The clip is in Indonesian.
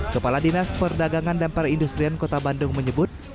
kepala dinas perdagangan dan perindustrian kota bandung menyebut